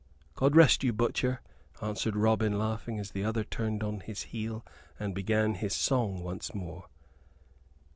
"God rest you, butcher," answered Robin, laughing, as the other turned on his heel and began his song once more.